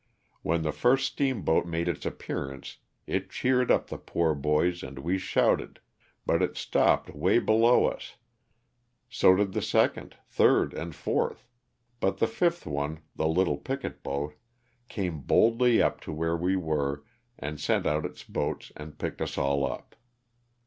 When the first steamboat made its appearance it cheered up the poor boys and we shouted, but it stopped way below us, so LOSS OF THE SULTANA. 307 did the second, third and fourth, but the fifth one, the little picket boat, came boldly up to where we were and sent out its boats and picked us all up.